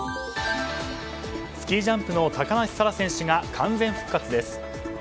スキージャンプの高梨沙羅選手が完全復活です。